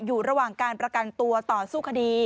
อยู่ระหว่างการประกันตัวต่อสู้คดี